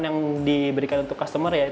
yang diberikan untuk customer